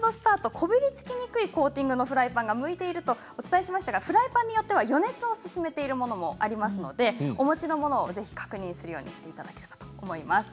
こびりつきにくいコーティングのフライパンが向いているとお伝えしましたがフライパンによっては予熱をすすめているものもありますのでお持ちのものを確認していただければと思います。